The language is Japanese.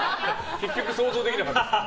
結局、想像できなかったです。